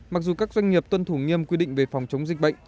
mặc dù các doanh nghiệp tuân thủ nghiêm quy định về phòng chống dịch bệnh